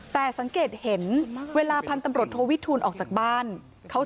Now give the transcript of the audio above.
แต่สังเกตเห็นเวลาพันธุ์ตำรวจโทวิทูลออกจากบ้าน